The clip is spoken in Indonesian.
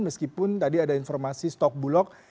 meskipun tadi ada informasi stok bulog